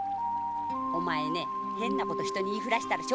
お前ね変なこと人に言いふらしたら承知しないよ！